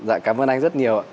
dạ cảm ơn anh rất nhiều ạ